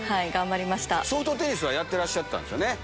ソフトテニスはやってらっしゃったんですよね。